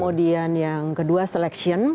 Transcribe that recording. kemudian yang kedua selection